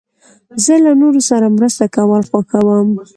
زه له نورو سره مرسته کول خوښوم.